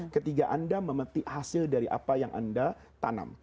ketika anda memetik hasil dari apa yang anda tanam